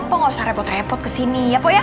mpok gak usah repot repot kesini ya pok ya